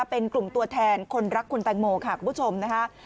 เป็นกลุ่มตัวแทนคนรักคุณแตงโมค่ะคุณผู้ชมนะคะ